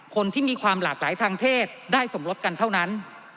คนที่มีความหลากหลายทางเพศได้สมรสกันเท่านั้น